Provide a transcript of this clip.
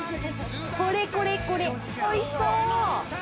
これこれ、おいしそう。